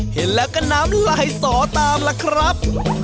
เห็นแล้วก็น้ำลายสอตามล่ะครับ